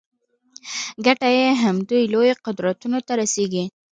ګټه یې همدوی لویو قدرتونو ته رسېږي.